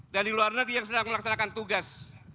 dan di luar negeri yang sedang melaksanakan tugas